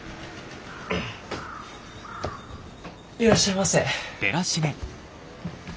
いらっしゃいませ。